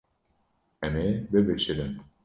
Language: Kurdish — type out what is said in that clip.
Em ê bibişirin.